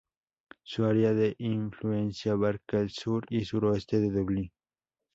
Su área de influencia abarca el sur y suroeste de Dublín.